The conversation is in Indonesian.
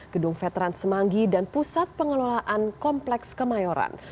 gedung veteran semanggi dan pusat pengelolaan kompleks kemayoran